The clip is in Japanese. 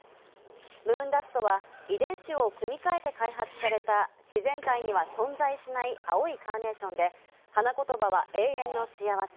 ムーンダストは遺伝子を組み替えて開発された自然界には存在しない青いカーネーションで花言葉は永遠の幸福。